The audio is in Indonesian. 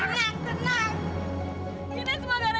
ini semua gara gara lo